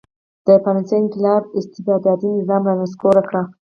د فرانسې انقلاب استبدادي نظام را نسکور کړ.